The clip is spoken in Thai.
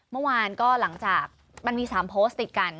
เมื่อวานก็หลังจากมันมี๓โพสต์ติดกัน